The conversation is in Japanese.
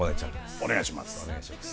お願いします。